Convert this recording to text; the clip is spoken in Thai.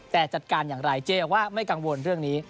แต่จัดการอย่างไรเจ๊บอกว่าไม่กังวลเรื่องนี้